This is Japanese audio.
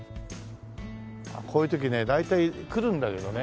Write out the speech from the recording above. こういう時ね大体来るんだけどね